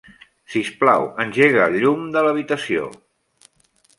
Sisplau, engega el llum de l'habitació.